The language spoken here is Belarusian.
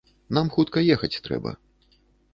Нам хутка ехаць трэба.